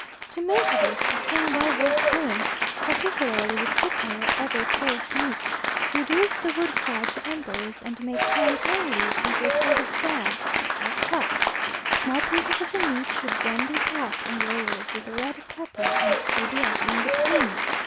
To make this, a thing well worth doing, particularly with hippo or other coarse meat, reduce the wood fire to embers, and make plantain leaves into a sort of bag, or cup; small pieces of the meat should then be packed in layers with red pepper and odeaka in between.